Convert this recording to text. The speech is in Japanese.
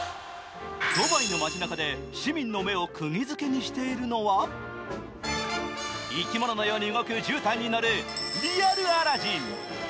ドバイの街なかで市民の目をくぎづけにしているのは、生き物のように動くじゅうたんに乗るリアルアラジン。